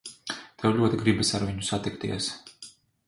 Tev ļoti gribas ar viņu satikties.